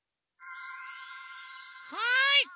はい！